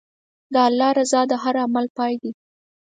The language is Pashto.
د الله رضا د هر عمل پای دی.